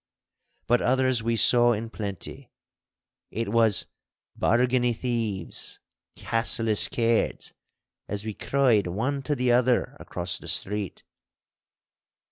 But others we saw in plenty. It was 'Bargany thieves!' 'Cassillis cairds!' as we cried one to the other across the street.